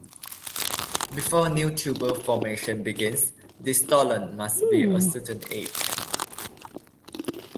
Before new tuber formation begins, the stolon must be a certain age.